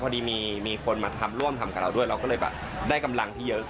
พอดีมีคนมาทำร่วมทำกับเราด้วยเราก็เลยแบบได้กำลังที่เยอะ